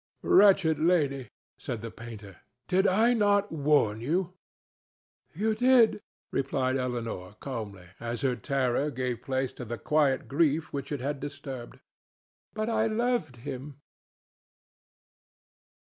"Wretched lady," said the painter, "did I not warn you?" "You did," replied Elinor, calmly, as her terror gave place to the quiet grief which it had disturbed. "But I loved him."